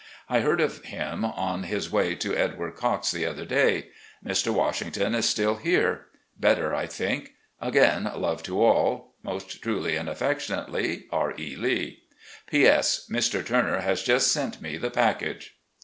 I heard of him on his way to Edward Cocke's the other day. Mr. Washington is still here. Better, I think. Again love to all. " Most truly and affectionately, "R. E. Lee. "P. S. — ^Mr. Turner has just sent me the package.